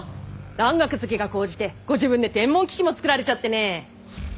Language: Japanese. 蘭学好きが高じてご自分で天文機器も作られちゃってね。